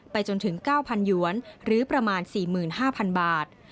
จนถึง๙๐๐หยวนหรือประมาณ๔๕๐๐๐บาท